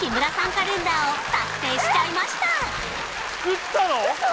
カレンダーを作製しちゃいましたウソ？